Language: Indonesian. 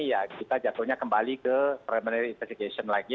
ya kita jatuhnya kembali ke premier investigation lagi